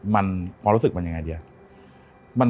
มันความรู้สึกมันยังไงดี